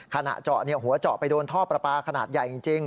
ขณะเจาะหัวเจาะไปโดนท่อประปาขนาดใหญ่จริง